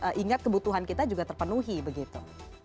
tetap harus ingat kebutuhan kita juga terpenuhi begitu